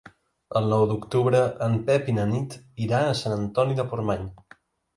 El nou d'octubre en Pep i na Nit iran a Sant Antoni de Portmany.